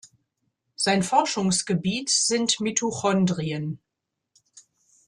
Sein Forschungsgebiet sind Mitochondrien.